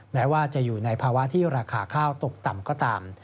แม้ว่าจะอยู่ในภาวะที่ราคาข้าวตกต่ำก็ตาม